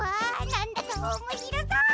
なんだかおもしろそう！